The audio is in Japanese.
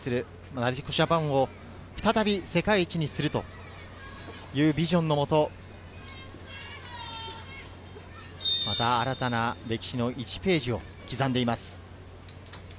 なでしこジャパンを再び世界一にするというビジョンのもと、新たな歴史の１ページを刻んでいます。